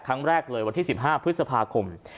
ครั้งแรกเลยวันที่๑๕พฤษภาคม